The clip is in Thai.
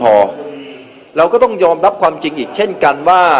เราก็ต้องยอมรับความจริงอีกเช่นกันว่า